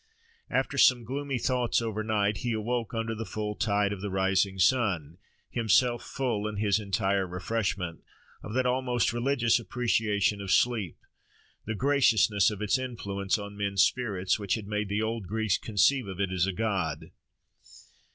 After some gloomy thoughts over night, he awoke under the full tide of the rising sun, himself full, in his entire refreshment, of that almost religious appreciation of sleep, the graciousness of its influence on men's spirits, which had made the old Greeks conceive of it as a god.